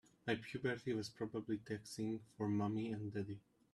My puberty was probably taxing for mommy and daddy.